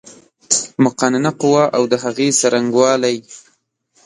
مقننه قوه اود هغې څرنګوالی